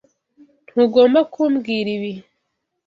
Ntugomba kumbwira ibi.